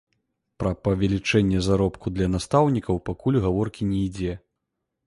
Пра павелічэнне заробку для настаўнікаў пакуль гаворкі не ідзе.